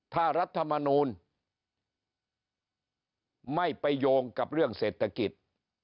ถ้ารัฐมนูลไม่ไปโยงกับเรื่องเศรษฐกิจ